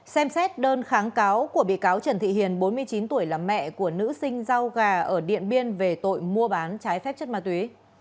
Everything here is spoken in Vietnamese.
xem xét đơn kháng cáo của bị cáo trần thị hiền bốn mươi chín tuổi là mẹ của nữ sinh rau gà ở điện biên về tội mua bán trái phép chất ma túy